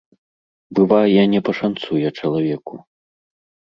Бывае, не пашанцуе чалавеку.